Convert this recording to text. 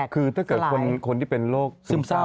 คือถ้าเกิดคนที่เป็นโรคซึมเศร้า